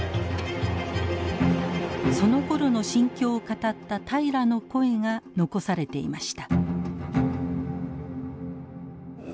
そのころの心境を語った平良の声が残されていました。